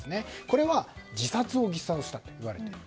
これは自殺を偽装したといわれている。